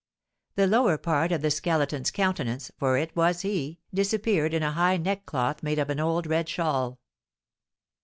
The lower part of the Skeleton's countenance (for it was he) disappeared in a high neckcloth made of an old red shawl.